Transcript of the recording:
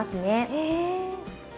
へえ。